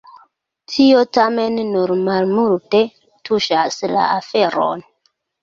Tio tamen nur malmulte tuŝas la aferon.